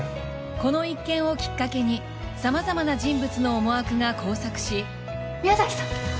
この一件をきっかけに様々な人物の思惑が交錯し宮崎さん！